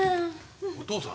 お父さん？